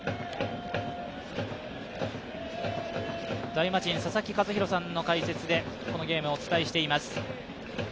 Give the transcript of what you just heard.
大魔神・佐々木主浩さんの解説で、このゲーム、お伝えしています。